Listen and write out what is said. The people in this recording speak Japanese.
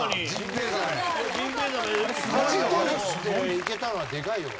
いけたのはでかいよ。